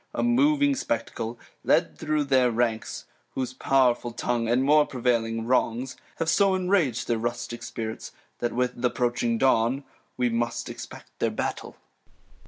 (A moving Spectacle) led through their Ranks, Whose pow'rfuU Tongue, and more prevailing Wrongs, Have so enrag'd their rustick Spirits, that with Th' approaching Dawn we must expect their Battle.